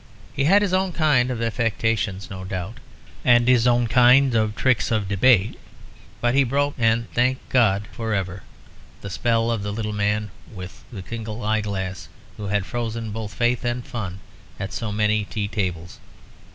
He had his own kind of affectations no doubt, and his own kind of tricks of debate; but he broke, and, thank God, forever the spell of the little man with the single eye glass who had frozen both faith and fun at so many tea tables.